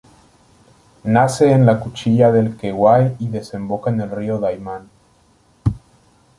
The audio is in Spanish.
Nace en la Cuchilla del Queguay y desemboca en el río Daymán.